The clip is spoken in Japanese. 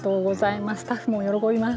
スタッフも喜びます。